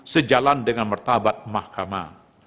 sejalan dengan martabat mahkamah